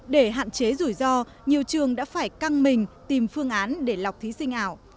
để hạn chế rủi ro nhiều trường đã phải căng mình tìm phương án để lọc thí sinh ảo